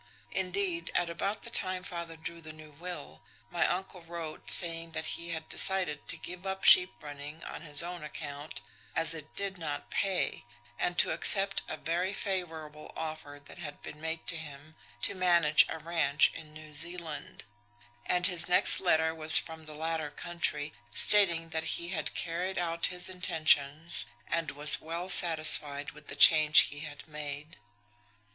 Indeed, at about the time father drew the new will, my uncle wrote, saying that he had decided to give up sheep running on his own account as it did not pay, and to accept a very favourable offer that had been made to him to manage a ranch in New Zealand; and his next letter was from the latter country, stating that he had carried out his intentions, and was well satisfied with the change he had made.